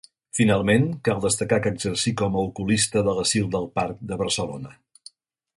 Finalment, cal destacar que exercí com a oculista de l'Asil del Parc de Barcelona.